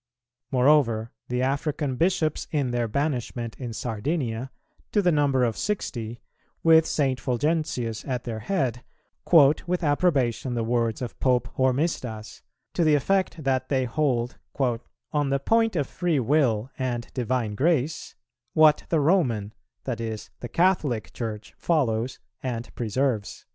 Moreover, the African Bishops in their banishment in Sardinia, to the number of sixty, with St. Fulgentius at their head, quote with approbation the words of Pope Hormisdas, to the effect that they hold, "on the point of free will and divine grace, what the Roman, that is, the Catholic, Church follows and preserves."